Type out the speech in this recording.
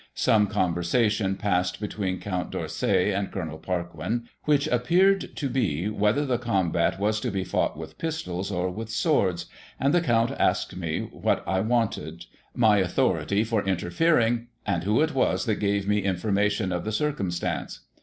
Some conversation passed be tween Count D'Orsay and Col. Parquin, which appeared to be whether the combat was to be fought with pistols or with swords, and the Count asked me what I wanted ; my authority for interfering; and who it was that gave me information of the circumstance.